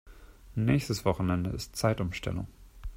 Nächstes Wochenende ist Zeitumstellung.